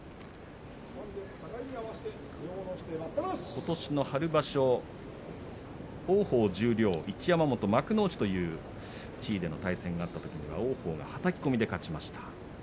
ことしの春場所王鵬が十両一山本が幕内という地位で対戦だったときは王鵬がはたき込みで勝ちました。